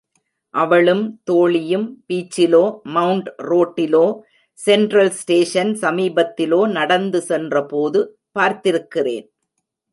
அவளும் தோழியும் பீச்சிலோ, மெளண்ட் ரோட்டிலோ, central station சமீபத்திலோ நடந்து சென்ற போது பார்த்திருக்கிறேன்.